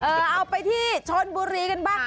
เอาไปที่ชนบุรีกันบ้าง